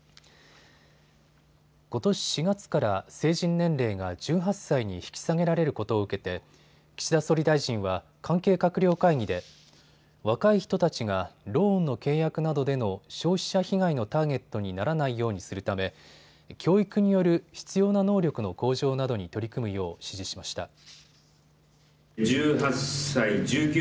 ことし４月から成人年齢が１８歳に引き下げられることを受けて岸田総理大臣は関係閣僚会議で若い人たちがローンの契約などでの消費者被害のターゲットにならないようにするため教育による必要な能力の向上などに取り組むよう指示しました。